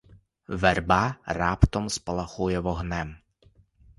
Верба раптом спалахує вогнем.